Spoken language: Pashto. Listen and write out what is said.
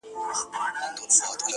د ښایست یې پر ملکونو چوک چوکه سوه٫